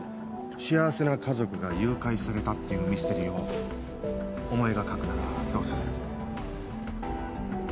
幸せな家族が誘拐されたっていうミステリーをお前が書くならどうする？